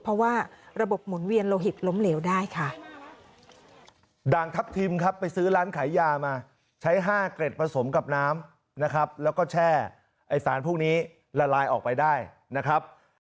เพราะว่าระบบหมุนเวียนโลหิตล้มเหลวได้ค่ะ